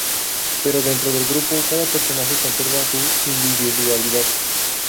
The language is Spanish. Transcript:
Pero dentro del grupo, cada personaje conserva su individualidad.